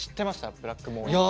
ブラックモーリー。